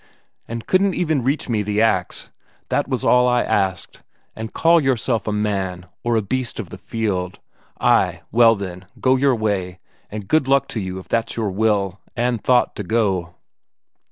And couldn't even reach me the ax, that was all I asked; and call yourself a man, or a beast of the field? Ay, well then, go your way, and good luck to you if that's your will and thought to go...."